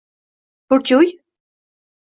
— Burjuy?